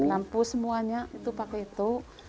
lampu semuanya itu pakai itu